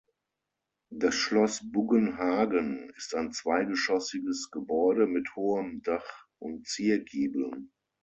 Das Schloss Buggenhagen ist ein zweigeschossiges Gebäude mit hohem Dach und Ziergiebeln.